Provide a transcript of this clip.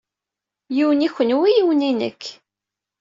Yiwen i kenwi yiwen i nekk.